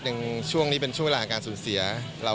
ช่วงนี้เป็นช่วงเวลาของการสูญเสีย